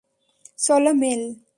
চলো, মেল।